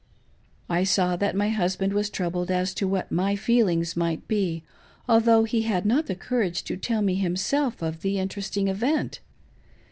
I saw that my husband was troubled as to what my feelings might be, although he had not had courage to tell me himself of the interesting event.